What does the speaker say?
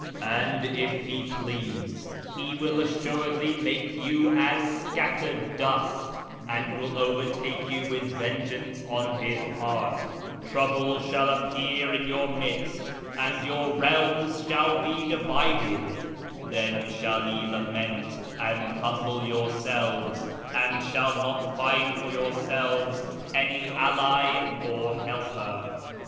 I YEZD 405 " Andj if He please, He ivill assuredly make yoti as scattered dust, and will overtake yoic with vengeance on His part : trouhle shall appear in your midst, and your realms shall be divided : then shall ye lament and humble yourselves, and shall not find for yourselves any ally or helper."